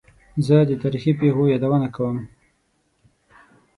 زه د تاریخي پېښو یادونه کوم.